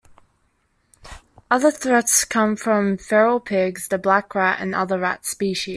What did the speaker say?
Other threats comes from feral pigs, the black rat and other rat species.